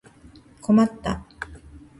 困った